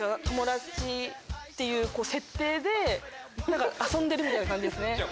友達っていう設定で遊んでるみたいな感じですね。